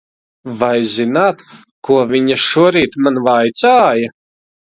Vai zināt, ko viņa šorīt man vaicāja?